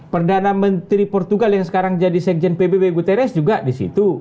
perdana menteri portugal yang sekarang jadi sekjen pbb guterres juga di situ